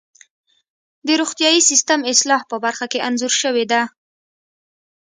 د روغتیايي سیستم اصلاح په برخه کې انځور شوې ده.